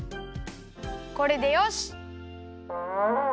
これでよし！